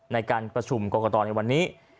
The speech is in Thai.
ในการประชุมกรกตในวันนี้